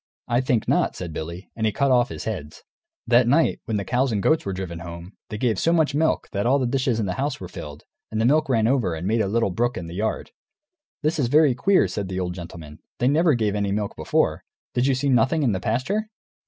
"I think not," said Billy; and he cut off his heads. That night, when the cows and the goats were driven home, they gave so much milk that all the dishes in the house were filled, and the milk ran over and made a little brook in the yard. "This is very queer," said the old gentleman; "they never gave any milk before. Did you see nothing in the pasture?"